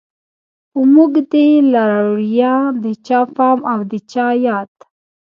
په موږ دی لارويه د چا پام او د چا ياد